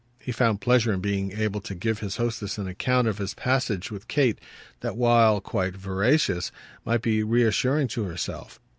He found pleasure in being able to give his hostess an account of his passage with Kate that, while quite veracious, might be reassuring to herself.